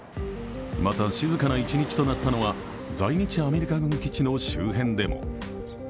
また、静かな一日となったのは在日アメリカ軍基地の周辺でも。